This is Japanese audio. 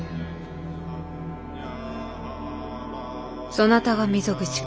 そなたが溝口か。